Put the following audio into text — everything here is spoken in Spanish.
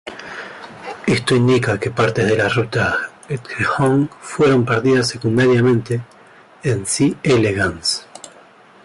Esto indica que partes de la ruta Hedgehog fueron perdidas secundariamente en C. elegans.